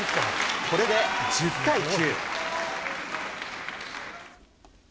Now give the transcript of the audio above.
これで１０対９。